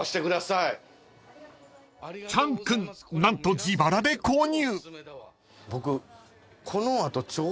［チャン君何と自腹で購入］